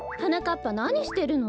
っぱなにしてるの？